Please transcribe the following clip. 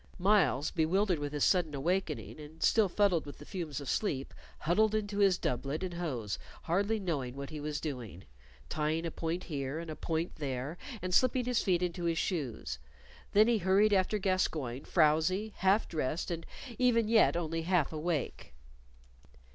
Myles, bewildered with his sudden awakening, and still fuddled with the fumes of sleep, huddled into his doublet and hose, hardly knowing what he was doing; tying a point here and a point there, and slipping his feet into his shoes. Then he hurried after Gascoyne, frowzy, half dressed, and even yet only half awake.